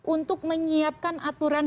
untuk menyiapkan aturan